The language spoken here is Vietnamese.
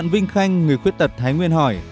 vinh khanh người khuyết tật thái nguyên hỏi